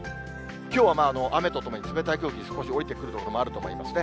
きょうは雨とともに冷たい空気が少しおりてくる所もあると思いますね。